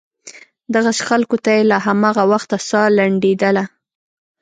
دغسې خلکو ته له هماغه وخته سا لنډېدله.